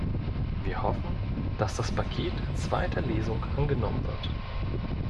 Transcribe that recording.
Wir hoffen, dass das Paket in zweiter Lesung angenommen wird.